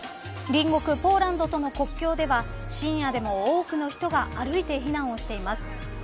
隣国、ポーランドとの国境では深夜でも多くの人が歩いて避難をしています。